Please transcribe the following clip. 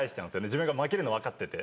自分が負けるの分かってて。